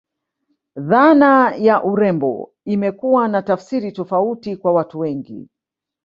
Dhana ya urembo imekuwa na tafsiri tofauti kwa watu wengi